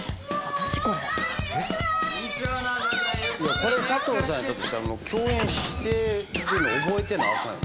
これ佐藤さんやったとしたら共演してるの覚えてなあかんやろ。